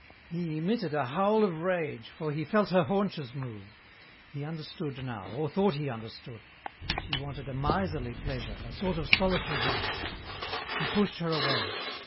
He emitted a howl of rage, for he felt her haunches move. He understood now or thought he understood! She wanted a miserly pleasure, a sort of solitary vice.... He pushed her away.